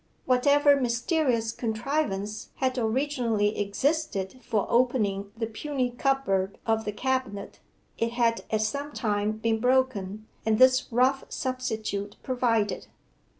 Whatever mysterious contrivance had originally existed for opening the puny cupboard of the cabinet, it had at some time been broken, and this rough substitute provided.